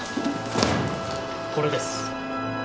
これです。